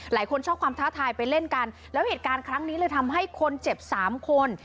หลายคนชอบความท้าทายไปเล่นกันแล้วเหตุการณ์ครั้งนี้เลยทำให้คนเจ็บสามคน